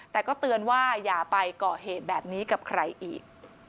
แต่ก็เตือนว่าอย่าไปก่อเหตุแบบนี้กับใครอีก